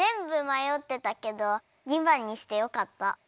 まよってたけど２ばんにしてよかった。